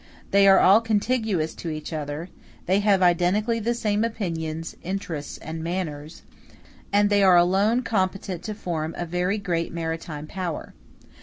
They are all contiguous to each other; they have identically the same opinions, interests, and manners; and they are alone competent to form a very great maritime power.